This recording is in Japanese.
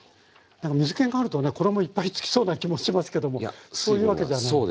なんか水けがあるとね衣いっぱいつきそうな気もしますけどもそういうわけじゃないんですね。